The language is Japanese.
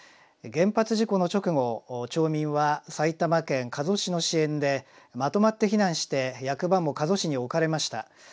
原発事故の直後町民は埼玉県加須市の支援でまとまって避難して役場も加須市に置かれました。